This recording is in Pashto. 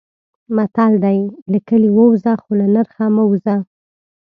متل دی: له کلي ووځه خو له نرخه مه وځه.